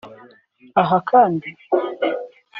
Aha kandi